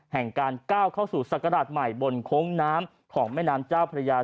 แห่งการก้าวเข้าสู่ศักราชใหม่บนโค้งน้ำของแม่น้ำเจ้าพระยา